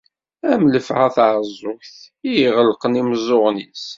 Am llafɛa taɛeẓẓugt, i iɣelqen imeẓẓuɣen-is.